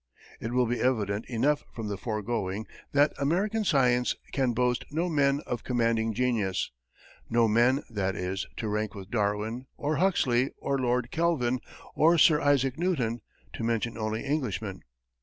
It will be evident enough from the foregoing that American science can boast no men of commanding genius no men, that is, to rank with Darwin, or Huxley, or Lord Kelvin, or Sir Isaac Newton, to mention only Englishmen.